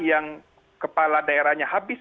yang kepala daerahnya habis